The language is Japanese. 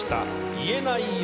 『言えないよ』。